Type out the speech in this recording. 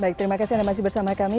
baik terima kasih anda masih bersama kami